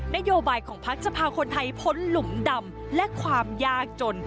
นโยบายของพักจะพาคนไทยพ้นหลุมดำและความยากจน